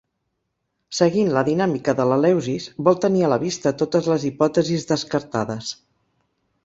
Seguint la dinàmica de l'Eleusis, vol tenir a la vista totes les hipòtesis descartades.